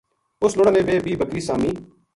اُس لُڑا نے ویہ بیہہ بکری سامی